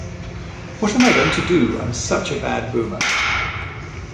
What am I going to do? I'm such a bad boomer.